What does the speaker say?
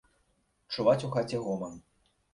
Чуваць у хаце гоман.